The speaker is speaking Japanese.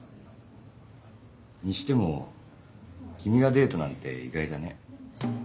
にしても君がデートなんて意外だね。